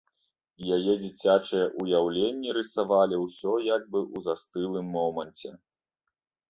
Яе дзіцячыя ўяўленні рысавалі ўсё як бы ў застылым моманце.